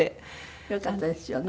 よかったですよね。